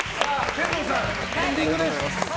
天童さん、エンディングです。